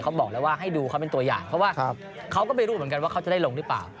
บอกแล้วว่าให้ดูเขาเป็นตัวอย่างเพราะว่าเขาก็ไม่รู้เหมือนกันว่าเขาจะได้ลงหรือเปล่า